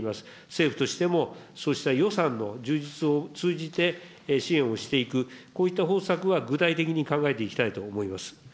政府としても、そうした予算の充実を通じて、支援をしていく、こういった方策は具体的に考えていきたいと思います。